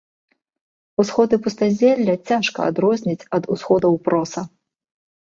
Усходы пустазелля цяжка адрозніць ад усходаў проса.